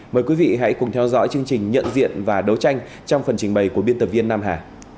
mời quý vị hãy cùng theo dõi chương trình nhận diện và đấu tranh trong phần trình bày của biên tập viên nam hà